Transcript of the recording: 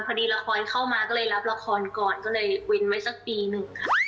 พอดีละครเข้ามาก็เลยรับละครก่อนก็เลยเว้นไว้สักปีหนึ่งค่ะ